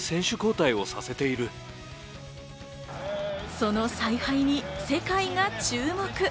その采配に世界が注目。